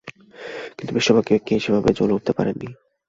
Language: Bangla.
কিন্তু বিশ্বকাপে কেউই সেভাবে জ্বলে উঠতে পারেননি।